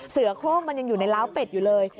เสือโครงมันยังอยู่ในล้าวเป็ดอยู่เลย